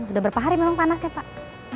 udah berapa hari memang panas ya pak